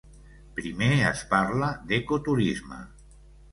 Primer es parla d'ecoturisme.